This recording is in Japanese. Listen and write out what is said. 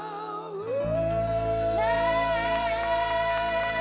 うわ！